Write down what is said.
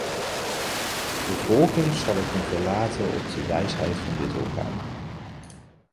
Vervolgens zal ik me verlaten op de wijsheid van dit orgaan.